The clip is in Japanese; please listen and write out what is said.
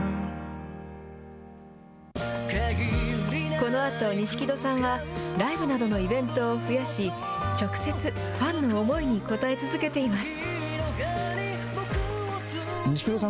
このあと錦戸さんは、ライブなどのイベントを増やし、直接、ファンの思いに応え続けています。